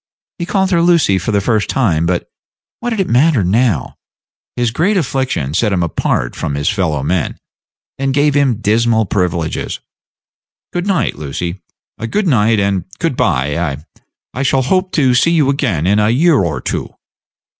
He called her Lucy for the first time; but what did it matter now? His great affliction set him apart from his fellowmen, and gave him dismal privileges. "Good night, Lucy; good night and good by. I I shall hope to see you again in a year or two."